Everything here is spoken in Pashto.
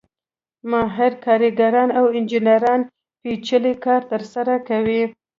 ماهر کارګران او انجینران پېچلی کار ترسره کوي